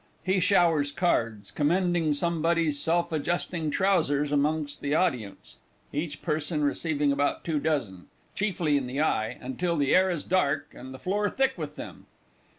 [_He showers cards, commending somebody's self adjusting trousers amongst the Audience, each person receiving about two dozen chiefly in the eye until the air is dark, and the floor thick with them.